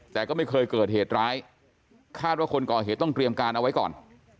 แต่ก็ไม่เคยเกิดเหตุร้ายคาดว่าคนก่อเหตุต้องเตรียมการเอาไว้ก่อน